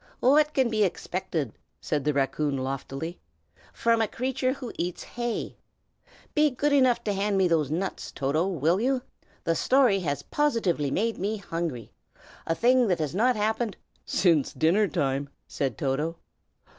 "What can be expected," said the raccoon loftily, "from a creature who eats hay? Be good enough to hand me those nuts, Toto, will you? The story has positively made me hungry, a thing that has not happened " "Since dinner time!" said Toto.